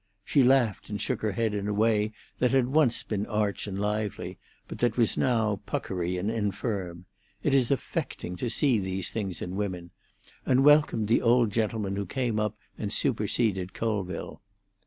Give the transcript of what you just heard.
She laughed and shook her head in a way that had once been arch and lively, but that was now puckery and infirm—it is affecting to see these things in women—and welcomed the old gentleman who came up and superseded Colville.